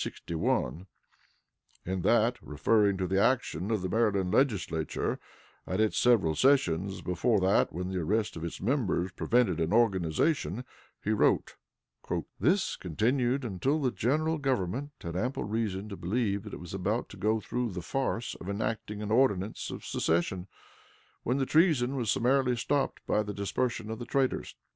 In that, referring to the action of the Maryland Legislature at its several sessions before that when the arrest of its members prevented an organization, he wrote, "This continued until the General Government had ample reason to believe it was about to go through the farce of enacting an ordinance of secession, when the treason was summarily stopped by the dispersion of the traitors...."